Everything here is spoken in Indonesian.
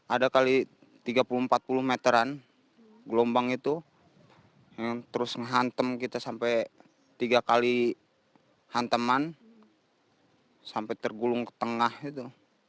ada kali tiga puluh empat puluh meteran gelombang itu yang terus menghantam kita sampai tiga kali hantaman sampai tergulung ke tengah itu